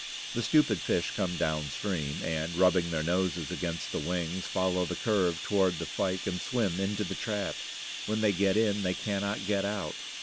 The stupid fish come downstream, and, rubbing their noses against the wings, follow the curve toward the fyke and swim into the trap. When they get in they cannot get out.